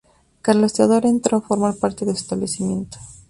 Carlos Teodoro entró a formar parte de su establecimiento.